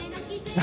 何？